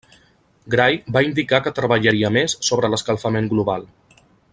Gray va indicar que treballaria més sobre l'escalfament global.